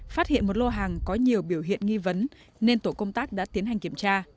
phát hiện một lô hàng có nhiều biểu hiện nghi vấn nên tổ công tác đã tiến hành kiểm tra